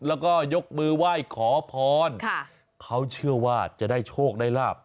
แล้วก็ยกมือไหว้ขอพรเขาเชื่อว่าจะได้โชคได้ลาบ